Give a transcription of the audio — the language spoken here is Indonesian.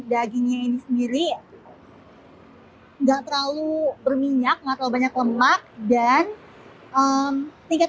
dagingnya ini sendiri nggak terlalu berminyak atau banyak lemak dan tingkat